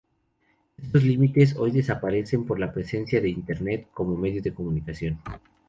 Estos límites hoy desaparecen por la presencia de Internet como medio de comunicación.